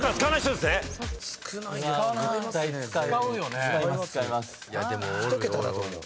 使いますね。